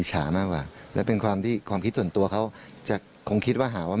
ฉามากกว่าและเป็นความที่ความคิดส่วนตัวเขาจะคงคิดว่าหาว่า